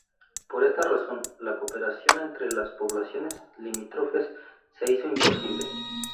Por esta razón, la cooperación entre las poblaciones limítrofes se hizo imposible.